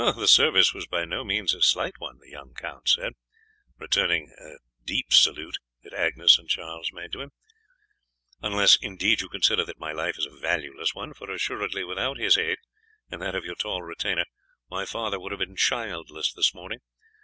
"The service was by no means a slight one," the young count said, returning a deep salute that Agnes and Charlie made to him, "unless indeed you consider that my life is a valueless one, for assuredly without his aid and that of your tall retainer, my father would have been childless this morning.